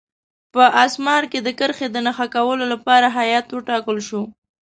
په اسمار کې د کرښې د نښه کولو لپاره هیات وټاکل شو.